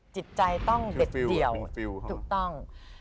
จิตใจต้องเด็ดเจี่ยวถูกต้อง